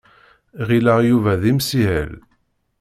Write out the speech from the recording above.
Ɣileɣ Yuba d imsihel.